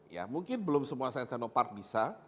ya mungkin belum semua science sino park bisa